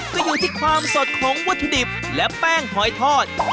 จะอยู่ที่ความสดของวัตถุดิบและแป้งหอยทอด